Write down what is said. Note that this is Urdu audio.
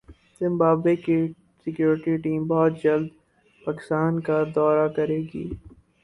زمبابوے کی سکیورٹی ٹیم بہت جلد پاکستان کا دورہ کریگی